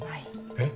えっ？